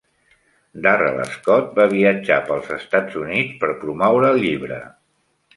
Darrell Scott va viatjar pels Estats Units per promoure el llibre.